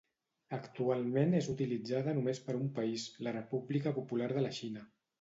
Actualment és utilitzada només per un país, la República Popular de la Xina.